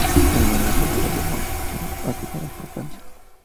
Las monedas de euro de Mónaco son acuñadas por Francia.